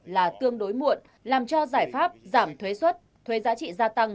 là tương đối muộn làm cho giải pháp giảm thuế xuất thuế giá trị gia tăng